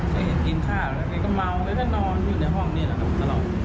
แกเห็นกินข้าวแล้วแกก็เมาแกก็นอนอยู่ในห้องเนี่ยแหละ